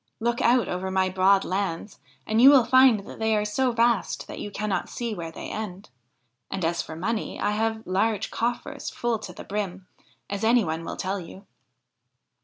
Look out over my broad lands and you will find that they are so vast that you cannot see where they end ; and, as for money, I have large coffers full to the brim, as any one will tell you.'